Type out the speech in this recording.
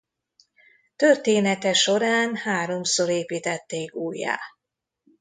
Története során háromszor építették újjá.